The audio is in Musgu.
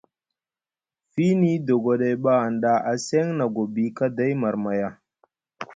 Fiini dogoɗay ɓa hanɗa a seŋ na gobi kaday marmaya.